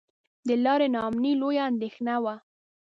د لارې نا امني لویه اندېښنه وه.